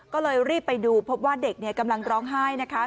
ก็เลยรีบไปดูพบว่าเด็กกำลังร้องไห้นะคะ